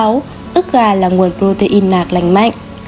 sáu ước gà là nguồn protein nạc lành mạnh